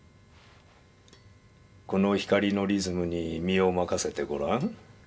この光のリズムに身を任せてごらん。